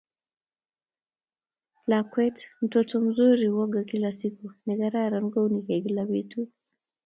lakwetMtoto mzuri huoga kila siku negararan kouunige kila betut